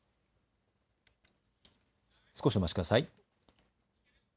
少しお待ちください。